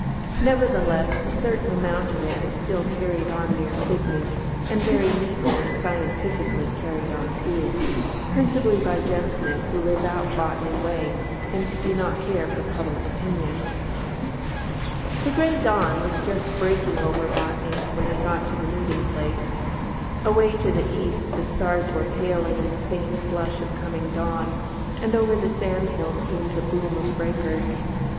Nevertheless, a certain amount of it is still carried on near Sydney, and very neatly and scientifically carried on, too principally by gentlemen who live out Botany way and do not care for public opinion. The grey dawn was just breaking over Botany when we got to the meeting place. Away to the East the stars were paling in the faint flush of coming dawn, and over the sandhills came the boom of breakers.